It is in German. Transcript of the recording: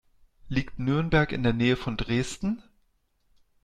Liegt Nürnberg in der Nähe von Dresden?